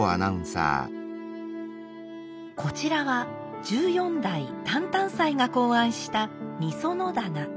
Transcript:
こちらは十四代淡々斎が考案した「御園棚」。